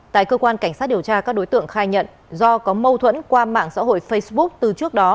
tại cơ quan cảnh sát điều tra các đối tượng khai nhận do có mâu thuẫn qua mạng xã hội facebook từ trước đó